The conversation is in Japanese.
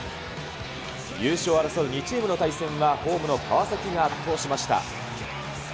優勝を争う２チームの対戦は、ホームの川崎が圧倒しました。